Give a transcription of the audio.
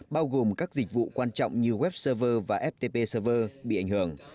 bao gồm các dịch vụ quan trọng như web server và ftp server bị ảnh hưởng